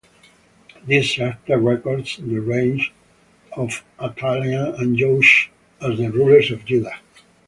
This chapter records the reign of Athaliah and Joash as the rulers of Judah.